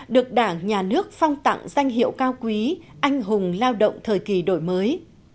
được đảng nhà nước phong tặng danh hiệu cao quý anh hùng lao động thời kỳ đổi mới